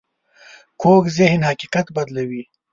کوږ ذهن حقیقت بدلوي